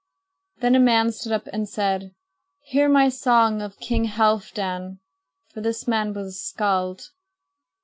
Then a man stood up and said: "Hear my song of King Halfdan!" for this man was a skald.